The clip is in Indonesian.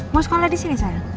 mau sekolah disini sayang